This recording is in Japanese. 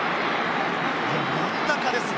真ん中ですね。